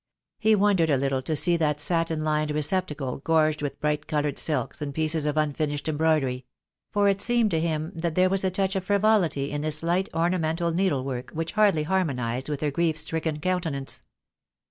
He won dered a little to see that satin lined receptacle gorged with bright coloured silks, and pieces of unfinished em broidery; for it seemed to him that there was a touch of frivolity in this light ornamental needle work which hardly harmonized with her grief stricken countenance.